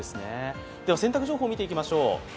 洗濯情報、見ていきましょう。